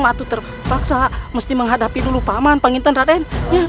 waktu terpaksa mesti menghadapi dulu paman panggitan raden